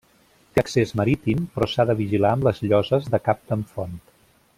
Té accés marítim, però s'ha de vigilar amb les lloses de Cap d'en Font.